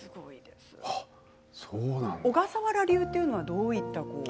小笠原流というのはどういう？